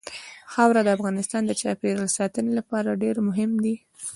خاوره د افغانستان د چاپیریال ساتنې لپاره ډېر مهم دي.